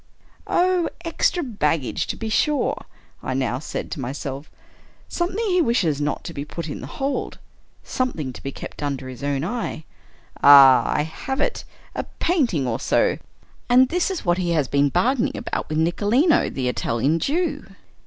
" Oh, extra baggage, to be sure," I now safd to myself —" something he wishes not to be put in the hold — something to be kept under his own eye — ah, I have it — a painting or so — and this is what he has been bargain ing about with Nicolino, the Italian Jew."